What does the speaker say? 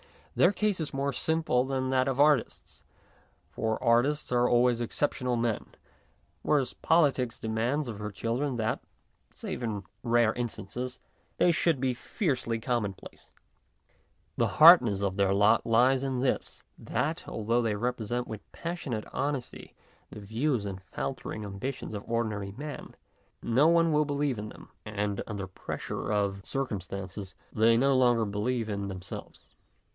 Their case is more simple than that of artists, for artists are always exceptional men, whereas politics demands of her children that, save in rare instances, they should be fiercely common place. The hardness of their lot lies in this : that, although they represent with passionate honesty the views and faltering ambitions of ordinary men, no one will believe in them, and under pressure of 104 MONOLOGUES circumstances they no longer believe in themselves.